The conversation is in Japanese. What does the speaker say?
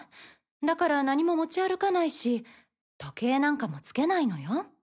だから何も持ち歩かないし時計なんかもつけないのよ。